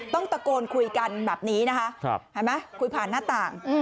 ต้องตะโกนคุยกันแบบนี้นะคะเห็นไหมคุยผ่านหน้าต่าง